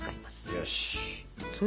よし！